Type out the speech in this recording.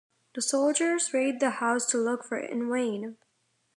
The soldiers raid the house to look for it, in vain.